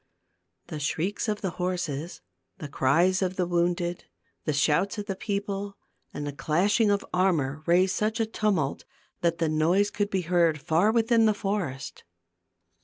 The shrieks of the horses, the cries of the wounded, the shouts of the people, and the clash 274 THE GLASS MOUNTAIN. ing of armor, raised such a tumult, that the noise could be heard far within the forest.